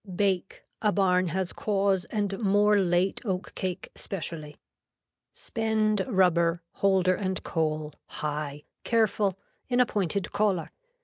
Bake, a barn has cause and more late oat cake specially. Spend rubber, holder and coal, high, careful, in a pointed collar.